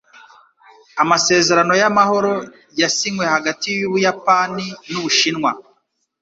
amasezerano y'amahoro yasinywe hagati y'Ubuyapani n'Ubushinwa.